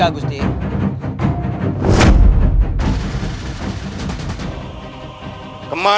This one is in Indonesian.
mereka terlihat peroleh